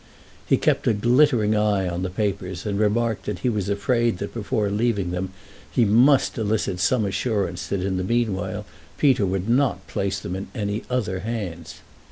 He kept a glittering eye on the papers and remarked that he was afraid that before leaving them he must elicit some assurance that in the meanwhile Peter would not place them in any other hands.